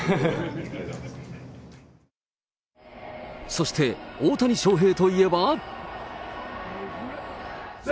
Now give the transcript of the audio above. そして、大谷翔平といえば。